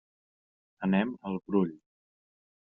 Anem al Brull.